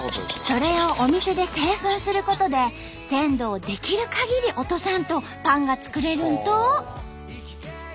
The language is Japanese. それをお店で製粉することで鮮度をできるかぎり落とさんとパンが作れるんと！